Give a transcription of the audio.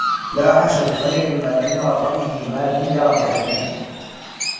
لَا عَاشَ بِخَيْرٍ مَنْ لَمْ يَرَ بِرَأْيِهِ مَا لَمْ يَرَ بِعَيْنَيْهِ